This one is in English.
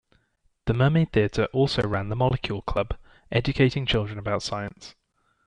The Mermaid Theatre also ran the Molecule Club, educating children about science.